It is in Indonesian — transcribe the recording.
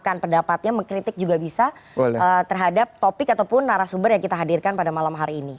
bahkan pendapatnya mengkritik juga bisa terhadap topik ataupun narasumber yang kita hadirkan pada malam hari ini